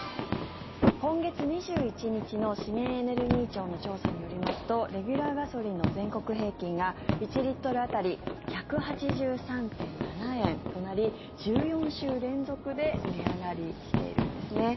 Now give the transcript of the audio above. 今月２１日の資源エネルギー庁の調査によるとレギュラーガソリンの全国平均が１リットル当たり１８３．７円となり１４週連続で値上がりしているんですね。